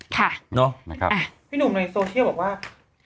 พี่หนุ่มในโซเชียลบอกว่า